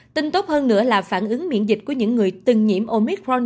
tin tốt hơn nữa là phản ứng miễn dịch của những người từng nhiễm omitron